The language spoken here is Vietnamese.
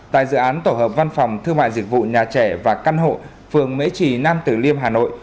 tại dự án tổ hợp văn phòng thương mại dịch vụ nhà trẻ và căn hộ phường mễ trì nam tử liêm hà nội